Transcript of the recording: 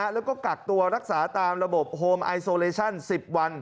แล้วก็กักตัวรักษาตามระบบโฮมไอโซเลชั่น๑๐วัน